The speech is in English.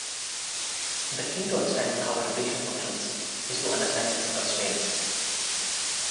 The key to understanding how a rotation functions is to understand its constraints.